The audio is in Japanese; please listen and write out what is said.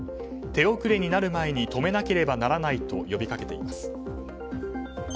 手遅れになる前に止めなければならないと呼びかけています。